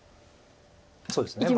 そうですね。